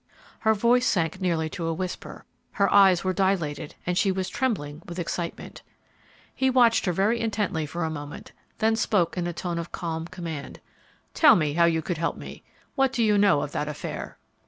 Her voice sank nearly to a whisper, her eyes were dilated, and she was trembling with excitement. He watched her intently for a moment, then spoke in a tone of calm command. "Tell me how you could help me. What do you know of that affair?"